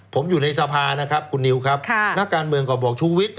ผมอยู่ในสภานะครับคุณนิวครับนักการเมืองก็บอกชูวิทย์